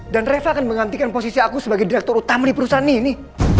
dan reva akan menggantikan posisi aku sebagai direktur utama di perusahaan ini